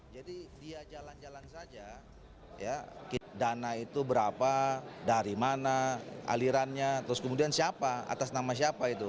dia jalan jalan saja dana itu berapa dari mana alirannya terus kemudian siapa atas nama siapa itu